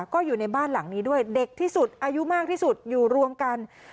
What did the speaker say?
ก็อยู่ในบ้านหลังนี้ด้วยเด็กที่สุดอายุมากที่สุดอยู่รวมกัน